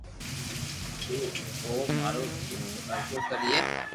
تو او مارو دوک ارگا ڪرئي